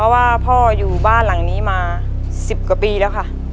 ว่าพ่ออยู่บ้านหลังนี้มา๑๐กว่าปีแล้วค่ะ